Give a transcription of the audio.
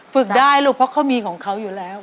ฝึกได้ลูกเพราะเขามีของเขาอยู่แล้ว